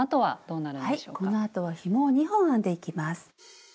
このあとはひもを２本編んでいきます。